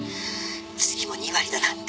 「次も２割だなんて」